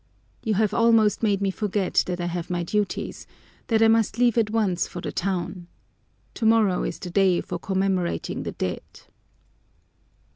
"You have almost made me forget that I have my duties, that I must leave at once for the town. Tomorrow is the day for commemorating the dead."